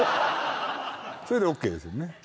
それでＯＫですよね？